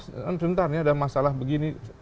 sebentar ini ada masalah begini